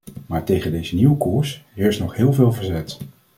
Maar tegen deze nieuwe koers heerst nog heel veel verzet.